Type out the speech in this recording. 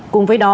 cùng với đó